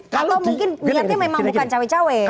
mungkin niatnya memang bukan cewek cewek